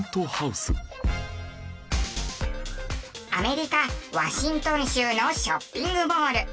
アメリカワシントン州のショッピングモール。